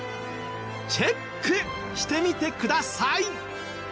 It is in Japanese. チェックしてみてください。